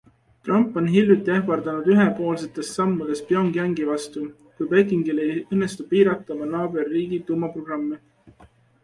Trump on hiljuti ähvardanud ühepoolsetest sammudest Pyongyangi vastu, kui Pekingil ei õnnestu piirata oma naaberriigi tuumaprogrammi.